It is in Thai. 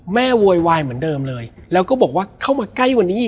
โวยวายเหมือนเดิมเลยแล้วก็บอกว่าเข้ามาใกล้วันนี้อีก